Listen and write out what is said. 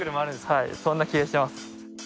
はいそんな気がします。